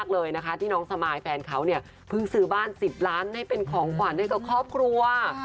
๑๐ล้านได้เป็นของขวัญได้กับครอบครัว